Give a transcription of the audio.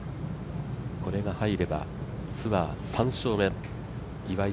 これが入ればツアー３勝目岩井